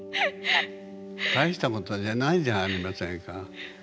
大したことじゃないじゃありませんか。